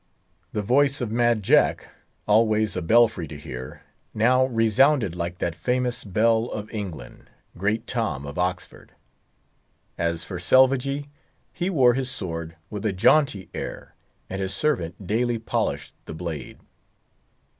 The voice of Mad Jack—always a belfry to hear—now resounded like that famous bell of England, Great Tom of Oxford. As for Selvagee, he wore his sword with a jaunty air, and his servant daily polished the blade.